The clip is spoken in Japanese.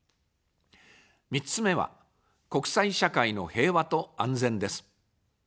３つ目は、国際社会の平和と安全です。